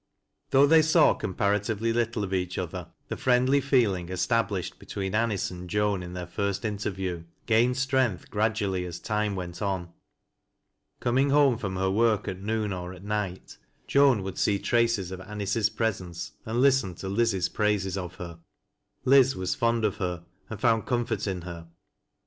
Though they saw comparatively little of each other, the friendly feeling established between Aniee and Joan, in their first interview, gained strength gradually as time went on. Coming home from her work at noon or at night, Joan would see traces of Anice's presence, and listen to Liz's praises of her. Liz was fond of her and found comfort in her.